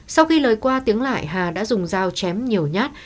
sau khi lời qua tiếng lại hà đã dùng dao chém nhiều nhát